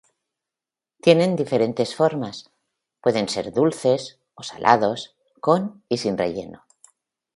Tienen diferentes formas, pueden ser dulces o salados, con y sin relleno.